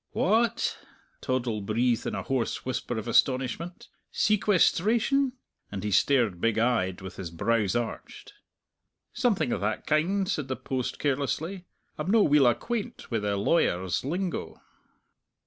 "Wha at!" Toddle breathed in a hoarse whisper of astonishment, "sequesteration?" and he stared, big eyed, with his brows arched. "Something o' that kind," said the post carelessly. "I'm no' weel acquaint wi' the law wers' lingo."